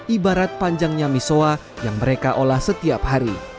ibarat panjangnya misoa yang mereka olah setiap hari